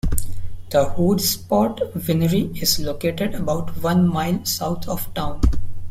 The Hoodsport Winery is located about one mile south of town.